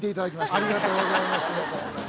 ありがとうございます。